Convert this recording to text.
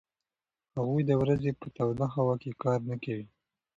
هغوی د ورځې په توده هوا کې کار نه کوي.